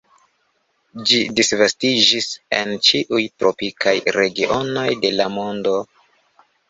Ĝi disvastiĝis en ĉiuj tropikaj regionoj de la mondo.